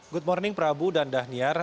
good morning prabu dan dhaniar